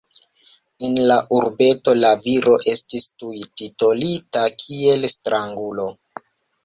En la urbeto la viro estis tuj titolita kiel strangulo.